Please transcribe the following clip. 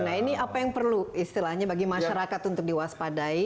nah ini apa yang perlu istilahnya bagi masyarakat untuk diwaspadai